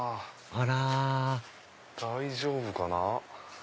あら大丈夫かな？